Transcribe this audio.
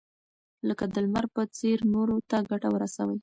لکه د لمر په څېر نورو ته ګټه ورسوئ.